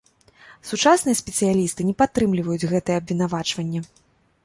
Сучасныя спецыялісты не падтрымліваюць гэтае абвінавачванне.